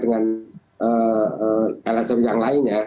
dengan lsm yang lain ya